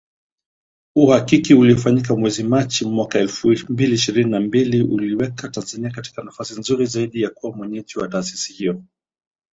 Uhakiki uliofanyika mwezi Machi, mwaka elfu mbili ishirini na mbili, uliiweka Tanzania katika nafasi nzuri zaidi kuwa mwenyeji wa taasisi hiyo